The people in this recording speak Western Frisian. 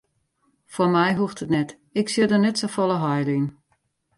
Foar my hoecht it net, ik sjoch der net folle heil yn.